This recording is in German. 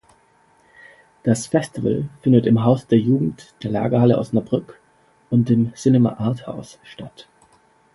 Das Festival findet im "Haus der Jugend", der Lagerhalle Osnabrück und dem "Cinema-Arthouse" statt.